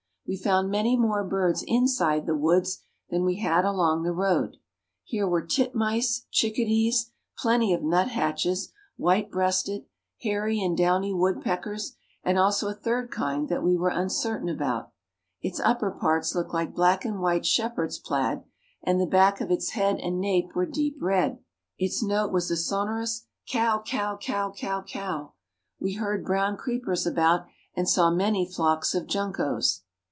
We found many more birds inside the woods than we had along the road. Here were titmice, chickadees, plenty of nut hatches white breasted; hairy and downy woodpeckers, and also a third kind that we were uncertain about. Its upper parts looked like black and white shepherd's plaid, and the back of its head and nape were deep red. Its note was a sonorous cow cow cow cow cow. We heard brown creepers about, and saw many flocks of juncos.